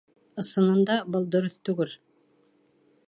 Ысынында, был дөрөҫ түгел.